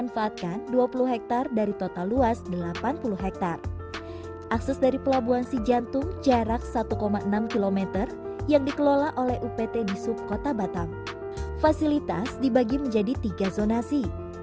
fasilitas dibagi menjadi tiga zonasi